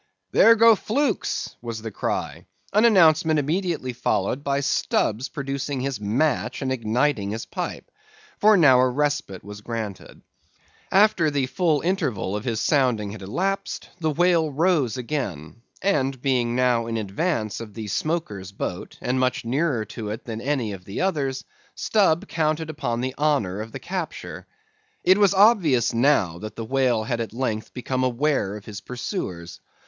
"There go flukes!" was the cry, an announcement immediately followed by Stubb's producing his match and igniting his pipe, for now a respite was granted. After the full interval of his sounding had elapsed, the whale rose again, and being now in advance of the smoker's boat, and much nearer to it than to any of the others, Stubb counted upon the honor of the capture. It was obvious, now, that the whale had at length become aware of his pursuers.